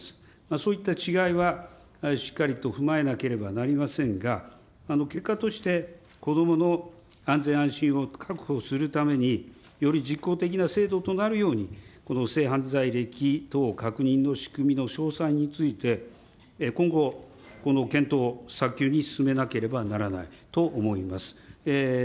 そういった違いはしっかりと踏まえなければなりませんが、結果として、子どもの安全安心を確保するために、より実効的な制度となるように、この性犯罪歴等の確認の仕組みの詳細について、今後、検討を早急に進めなければならないと思います。